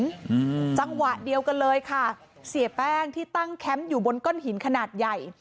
อืมจังหวะเดียวกันเลยค่ะเสียแป้งที่ตั้งแคมป์อยู่บนก้อนหินขนาดใหญ่